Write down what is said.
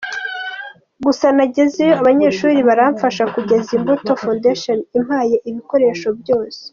Gusa nagezeyo abanyeshuri baramfasha kugeza Imbuto Foundation impaye ibikoresho byose”.